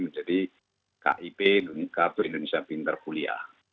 menjadi kib kartu indonesia pintar kuliah